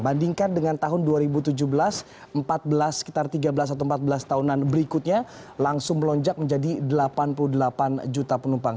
bandingkan dengan tahun dua ribu tujuh belas empat belas sekitar tiga belas atau empat belas tahunan berikutnya langsung melonjak menjadi delapan puluh delapan juta penumpang